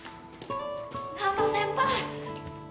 難波先輩。